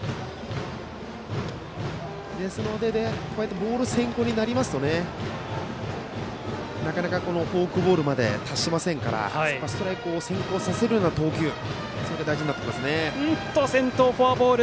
ですので、ボール先行になるとなかなかフォークボールまで達しませんからストライクを先行させる投球が先頭、フォアボール。